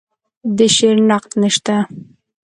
د شعر نقد نشته